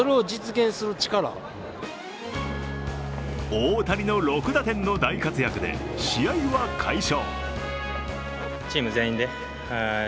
大谷の６打点の大活躍で試合は快勝。